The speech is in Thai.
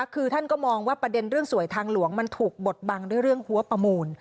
คือท่านก็มองว่าประเด็นเรื่องสวยทางหลวงมันถูกบดบังด้วยเรื่องหัวประมูล